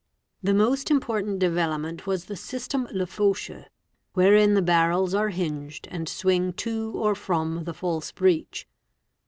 The most important development was the "system Lefau cheux'', wherein the barrels are hinged and swing to or from the false breech.